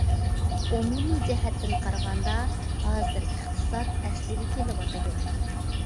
ئومۇمىي جەھەتتىن قارىغاندا، ھازىر ئىقتىساد ئەسلىگە كېلىۋاتىدۇ.